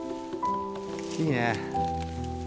いいね。